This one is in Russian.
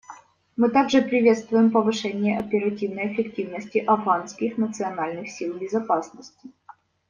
Мы также приветствуем повышение оперативной эффективности Афганских национальных сил безопасности.